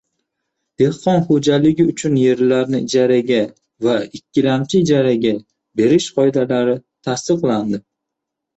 Dehqon xo‘jaligi uchun yerlarni ijaraga va ikkilamchi ijaraga berish qoidalari tasdiqlandi